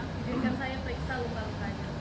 jadikan saya teriksa lupa lupa aja